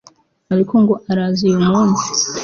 ariko ngo araza uyu munsi